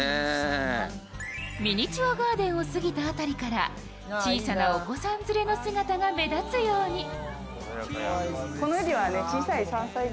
ミニチュアガーデンを過ぎた辺りから小さなお子さんの姿が目立つように。